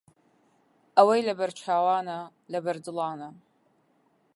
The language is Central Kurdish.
ئەوەی لەبەر چاوانە، لەبەر دڵانە